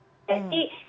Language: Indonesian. usia dan sisa